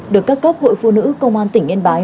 được các cấp hội phụ nữ công an tỉnh yên bái